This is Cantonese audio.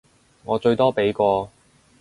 我最多畀個